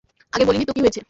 আগে বলি নি তো কি হয়েছে।